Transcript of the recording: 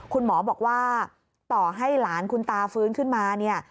คุณหมอบอกว่าต่อให้หลานคุณตาฟื้นขึ้นมาเนี่ย